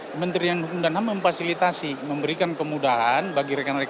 kementerian hukum dan ham memfasilitasi memberikan kemudahan bagi rekan rekan